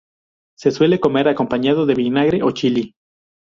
Se suele comer acompañado de vinagre o chili.